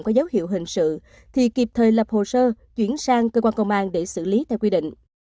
có dấu hiệu hình sự thì kịp thời lập hồ sơ chuyển sang cơ quan công an để xử lý theo quy định